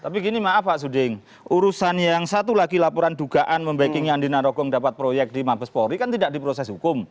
tapi gini maaf pak suding urusannya yang satu lagi laporan dugaan membackingnya andi narogong dapat proyek di mabes polri kan tidak diproses hukum